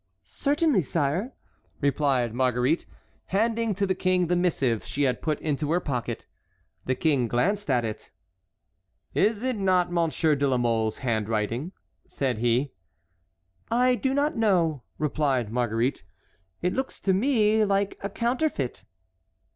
"Certainly, sire," replied Marguerite, handing to the king the missive she had put into her pocket. The king glanced at it. "Is it not Monsieur de la Mole's handwriting?" said he. "I do not know," replied Marguerite. "It looks to me like a counterfeit."